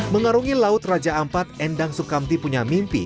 mengarungi laut raja ampat endang sukamti punya mimpi